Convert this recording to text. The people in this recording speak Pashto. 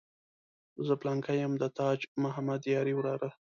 زه پلانکی یم د تاج محمد یاري وراره.